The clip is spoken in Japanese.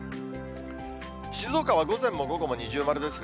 静岡は午前も午後も二重丸ですね。